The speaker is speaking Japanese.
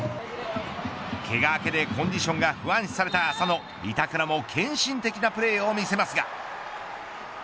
けが明けでコンディションが不安視された浅野板倉も献身的なプレーを見せますが。